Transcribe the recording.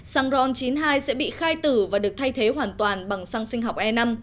xăng ron chín mươi hai sẽ bị khai tử và được thay thế hoàn toàn bằng xăng sinh học e năm